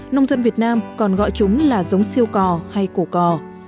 nông dân việt nam còn gọi chúng là giống siêu cò hay cổ cò